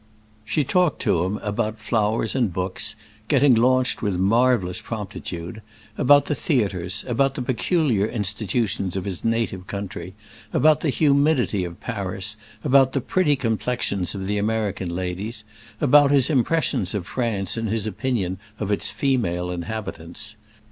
She talked to him about flowers and books, getting launched with marvelous promptitude; about the theatres, about the peculiar institutions of his native country, about the humidity of Paris about the pretty complexions of the American ladies, about his impressions of France and his opinion of its female inhabitants.